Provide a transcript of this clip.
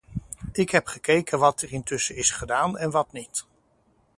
Ik heb gekeken wat er intussen is gedaan en wat niet.